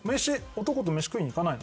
男と飯食いに行かないの？